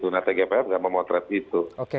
nah tgpf nggak memotret itu